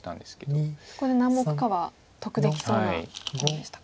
そこで何目かは得できそうなところでしたか。